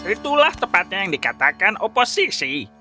itulah tepatnya yang dikatakan oposisi